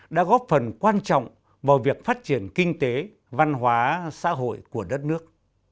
đã góp phần quan trọng vào việc phát triển kinh tế văn hóa xã hội của đất nước